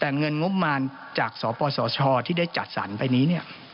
แต่เงินงบประมาณจากสปสชที่ได้จัดสรรไปนี้เนี่ย